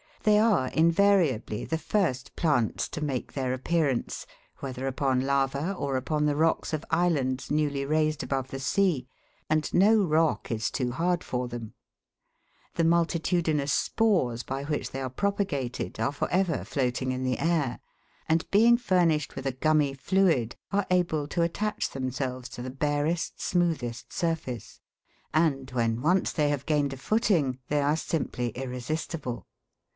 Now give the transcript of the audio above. They are invariably the first plants to make their appearance, whether upon lava or upon the rocks of islands newly raised above the sea, and no rock is too hard for them. The multitudinous spores by which they are propagated are for ever floating in the air, and being furnished with a gummy fluid are able to attach themselves to the barest, smoothest surface ; and when once they have gained a foot ing, they are simply irresistible.